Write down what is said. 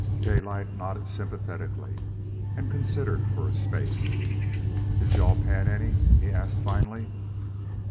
Daylight nodded sympathetically, and considered for a space. "Did you all pan any?" he asked finally.